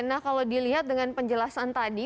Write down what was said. nah kalau dilihat dengan penjelasan tadi